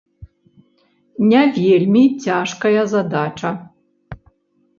Не вельмі цяжкая задача.